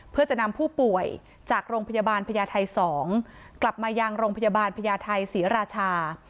เพื่อจะนำผู้ป่วยจากโรงพยาบาลพญาไทย๒กลับมายังโรงพยาบาลพญาไทยศรีราชา